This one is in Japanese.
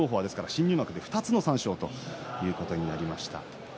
新入幕で２つの三賞ということになりました。